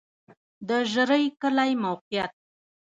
د ژرۍ کلی موقعیت